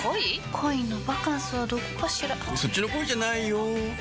恋のバカンスはどこかしらそっちの恋じゃないよ